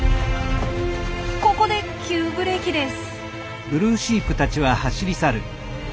ここで急ブレーキです。